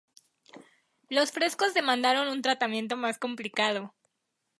Los frescos demandaron un tratamiento más complicado.